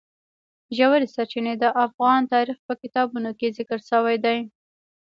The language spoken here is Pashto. ژورې سرچینې د افغان تاریخ په کتابونو کې ذکر شوی دي.